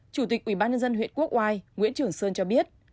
chủ tịch ubnd huyện quốc oai nguyễn trường sơn cho biết